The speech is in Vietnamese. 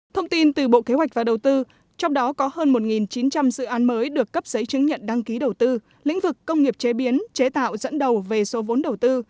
thông tin từ bộ kế hoạch và đầu tư trong đó có hơn một chín trăm linh dự án mới được cấp giấy chứng nhận đăng ký đầu tư lĩnh vực công nghiệp chế biến chế tạo dẫn đầu về số vốn đầu tư